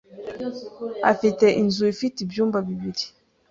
afite inzu ifite ibyumba bibiri.